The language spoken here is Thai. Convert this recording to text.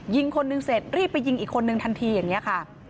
ยิงคนหนึ่งเสร็จรีบไปยิงอีกคนนึงทันทีอย่างนี้ค่ะ